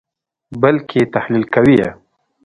بلکې تحلیل کوئ یې.